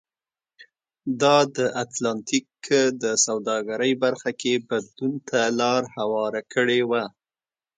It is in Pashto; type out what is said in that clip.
دا د اتلانتیک کې د سوداګرۍ برخه کې بدلون ته لار هواره کړې وه.